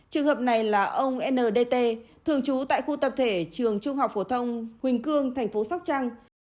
trường hợp này là ông ndt thường trú tại khu tập thể trường trung học phổ thông huỳnh cương thành phố sóc trăng